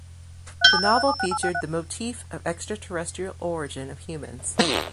The novel featured the motif of extraterrestrial origin of humans.